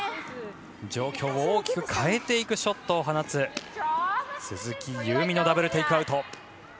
状況を大きく変えていくショットを放つ鈴木夕湖のダブルテイクアウト。